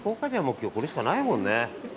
今日これしかないもんね。